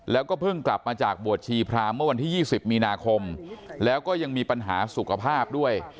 แล้วก็เพิ่งกลับมาจากบวชชีพรามเมื่อวันที่๒๐มีนาคมแล้วก็ยังมีปัญหาสุขภาพด้วย